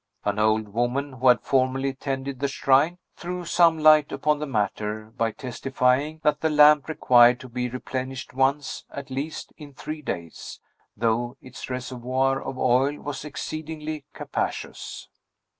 An old woman, who had formerly tended the shrine, threw some light upon the matter, by testifying that the lamp required to be replenished once, at least, in three days, though its reservoir of oil was exceedingly capacious.